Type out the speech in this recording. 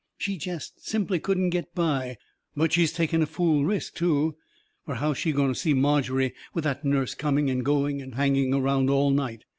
She jest simply couldn't get by. But she's taking a fool risk, too. Fur how's she going to see Margery with that nurse coming and going and hanging around all night?